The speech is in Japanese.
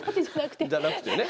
じゃなくてね。